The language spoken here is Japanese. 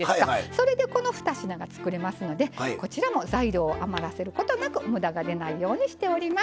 それでこの２品が作れますのでこちらも材料余らせることなく無駄が出ないようにしております。